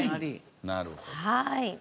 なるほど。